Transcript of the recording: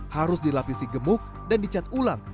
harus dilapisi gemuk dan dicat ulang